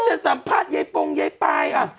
ฉันสัมภาษณ์ไยปงไยปายอ่ะ